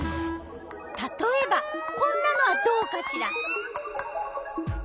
たとえばこんなのはどうかしら？